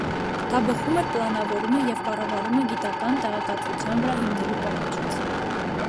Դա բխում էր պլանավորումը և կառավարումը գիտական տեղեկատվության վրա հիմնելու պահանջից։